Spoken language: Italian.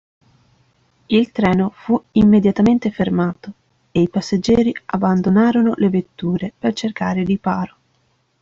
Il treno fu immediatamente fermato, e i passeggeri abbandonarono le vetture per cercare riparo.